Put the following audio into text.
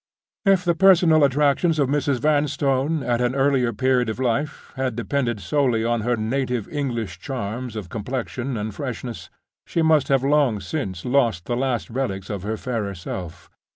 If the personal attractions of Mrs. Vanstone, at an earlier period of life, had depended solely on her native English charms of complexion and freshness, she must have long since lost the last relics of her fairer self.